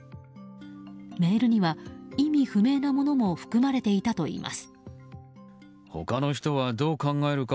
メールには意味不明なものも含まれていたといいます。